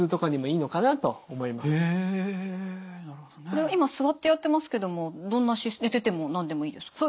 これは今座ってやってますけどもどんな寝てても何でもいいですか？